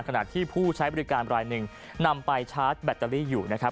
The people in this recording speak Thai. ขณะที่ผู้ใช้บริการรายหนึ่งนำไปชาร์จแบตเตอรี่อยู่นะครับ